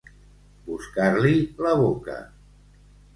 Buscar-li la boca.